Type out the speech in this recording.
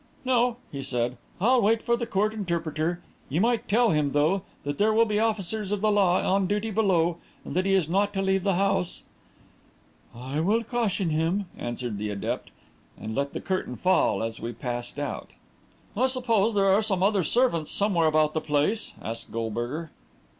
"No," he said; "I'll wait for the court interpreter. You might tell him, though, that there will be officers of the law on duty below, and that he is not to leave the house." "I will caution him," answered the adept, and let the curtain fall, as we passed out. "I suppose there are some other servants somewhere about the place?" asked Goldberger.